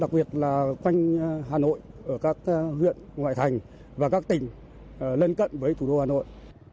đặc biệt là quanh hà nội ở các huyện ngoại thành và các tỉnh lân cận với thủ đô hà nội